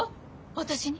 私に。